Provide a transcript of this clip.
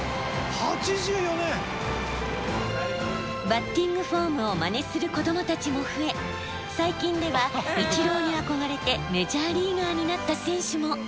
バッティングフォームをまねする子どもたちも増え最近ではイチローに憧れてメジャーリーガーになった選手も。